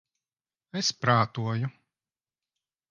Es prātoju...